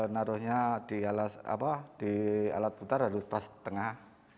naruhnya di alat putar harus pas tengah